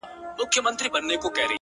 ښكلي چي گوري. دا بيا خوره سي.